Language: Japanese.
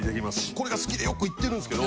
これが好きでよく行ってるんですけど。